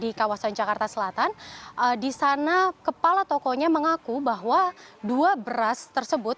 di kawasan jakarta selatan di sana kepala tokonya mengaku bahwa dua beras tersebut